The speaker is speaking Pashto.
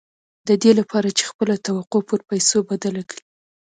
د دې لپاره چې خپله توقع پر پيسو بدله کړئ.